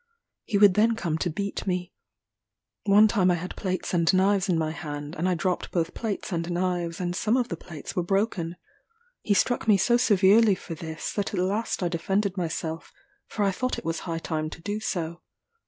He would then come to beat me. One time I had plates and knives in my hand, and I dropped both plates and knives, and some of the plates were broken. He struck me so severely for this, that at last I defended myself, for I thought it was high time to do so.